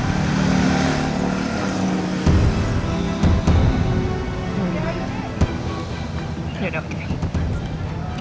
ya udah oke